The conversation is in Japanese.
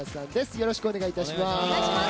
よろしくお願いします。